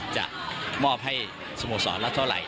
จะมอบให้สโมสรละเท่าไหร